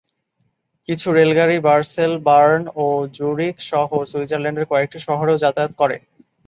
কিছু রেলগাড়ি basil, burn ও জুরিখ-সহ সুইজারল্যান্ডের কয়েকটি শহরেও যাতায়াত করে।